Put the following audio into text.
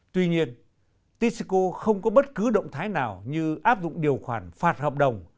tuy nhiên tisco không có bất cứ động thái nào như áp dụng điều khoản phạt hợp đồng